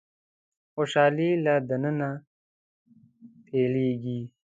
خوشالي له د ننه پيلېږي.